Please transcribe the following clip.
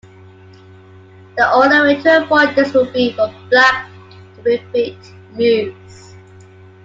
The only way to avoid this would be for Black to repeat moves.